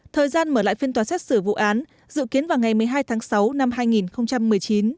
thời gian mở lại phiên tòa xét xử vụ án dự kiến vào ngày một mươi hai tháng sáu năm hai nghìn một mươi chín